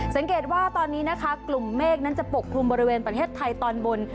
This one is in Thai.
สังเกตว่าตอนนี้นะคะกลุ่มเมฆนั้นจะปกคลุมบริเวณประเทศไทยตอนบน